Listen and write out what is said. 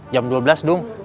jam dua belas dong